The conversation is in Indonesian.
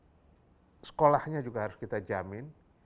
itu juga jadi berarti kita harus mencari anak anak yang sekarang usia sepuluh tahun